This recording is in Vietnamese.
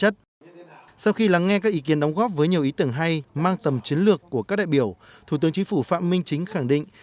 đóng góp với nhiều ý tưởng hay mang tầm chiến lược của các đại biểu thủ tướng chính phủ phạm minh chính khẳng định